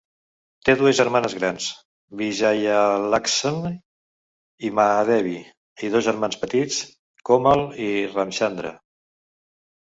Té dues germanes grans, Vijayalakshmi i Mahadevi, i dos germans petits, Komal i Ramchandra.